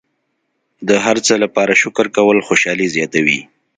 د هر څه لپاره شکر ادا کول خوشحالي زیاتوي.